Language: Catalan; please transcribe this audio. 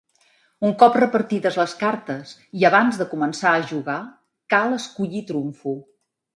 Un cop repartides les cartes i abans de començar a jugar, cal escollir trumfo.